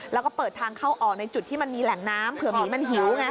แล้วก็เปิดทางเข้าออกในจุดที่มันมีแหล่งน้ำเผื่อหมีมันหิวไง